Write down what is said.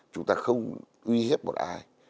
chúng ta không uy hiếp một ai